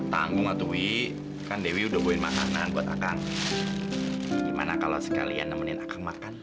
tanggung atau wi kan dewi udah bawain makanan buat akang gimana kalau sekalian nemenin akan makan